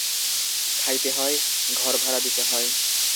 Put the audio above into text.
খাইতে হয়, ঘর ভাড়া দিতে হয়।